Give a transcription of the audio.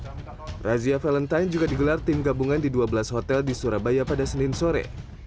razia valentine juga digelar tim gabungan di dua belas hotel di surabaya pada senin sore